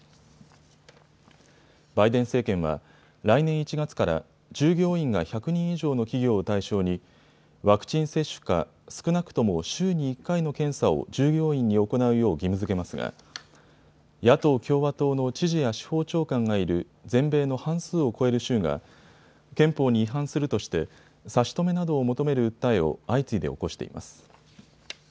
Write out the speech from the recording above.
バイデン政権は来年１月から従業員が１００人以上の企業を対象にワクチン接種か少なくとも週に１回の検査を従業員に行うよう義務づけますが野党共和党の知事や司法長官がいる全米の半数を超える州が憲法に違反するとして差し止めなどを求める訴えを相次いで起こしています。